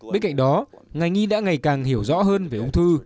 bên cạnh đó ngành y đã ngày càng hiểu rõ hơn về ung thư